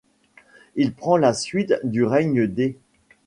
Il prend la suite du règne d'.